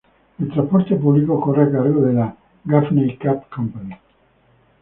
El transporte público corre a cargo de la "Gaffney Cab Company".